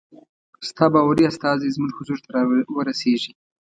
ستا باوري استازی زموږ حضور ته را ورسیږي.